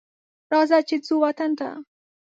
راځه چې ځو وطن ته